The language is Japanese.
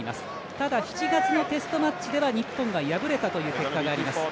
ただ７月のテストマッチでは日本が敗れたという結果があります。